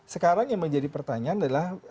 sekarang yang menjadi pertanyaan adalah